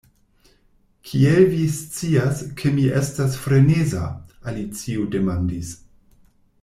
"Kiel vi scias ke mi estas freneza?" Alicio demandis.